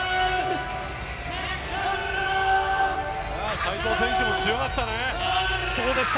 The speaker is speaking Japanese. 斎藤選手も強かったね。